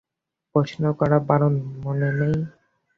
প্রশ্ন করা বারণ, মনে নেই?